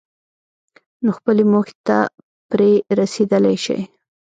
نو خپلې موخې ته پرې رسېدلای شئ.